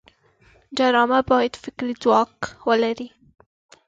ډرامه باید فکري ځواک ولري